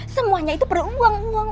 semuanya itu perlu uang uang